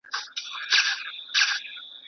¬ خپل قبر هر چا ته تنگ معلومېږي.